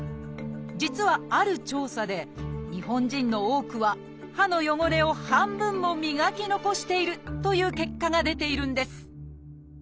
実はある調査で日本人の多くは歯の汚れを半分も磨き残しているという結果が出ているんです